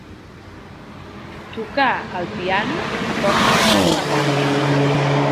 Tocar el piano aporta una gran alegria.